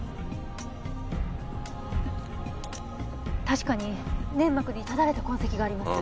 確かに粘膜にただれた痕跡があります。